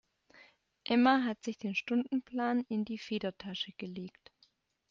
Emma hat sich den Stundenplan in die Federtasche gelegt.